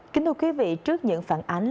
kính thưa quý vị trước những phản ánh